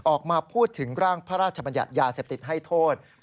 ออกมาพูดถึงร่างพระราชบัญญัติยาเสพติดให้โทษ